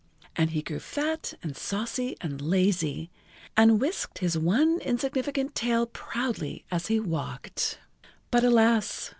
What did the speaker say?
And he grew fat and saucy and lazy, and whisked his one insignificant tail proudly as he walked. But, alas!